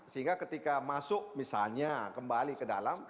sehingga ketika masuk misalnya kembali ke dalam